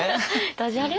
ダジャレ？